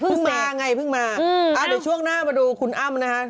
มาไงเพิ่งมาเดี๋ยวช่วงหน้ามาดูคุณอ้ำนะฮะ